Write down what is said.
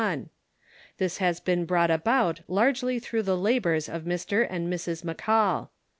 This has been brought about largely through the labors of Mr. and Mrs. McAll.